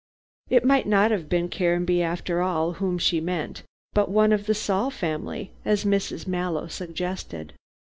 It might not have been Caranby after all, whom she meant, but one of the Saul family, as Mrs. Mallow suggested.